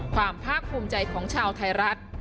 ภาคภูมิใจของชาวไทยรัฐ